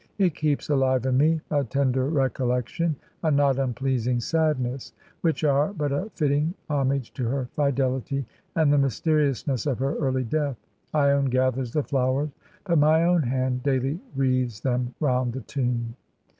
It keeps alive in me a tender recollection — a not unpleasing sadness — which are but a fitting hom age to her fidelity and the mysteriousness of her early death. lone gathers the flowers, but my own hand daily wreathes them round the tomb."